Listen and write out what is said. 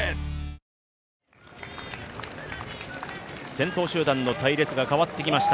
先頭集団の隊列が変わってきました